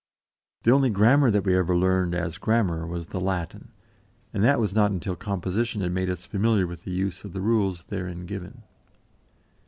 The only grammar that we ever learned as grammar was the Latin, and that not until composition had made us familiar with the use of the rules therein given.